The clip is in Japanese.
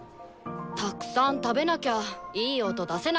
たくさん食べなきゃいい音出せないわよ。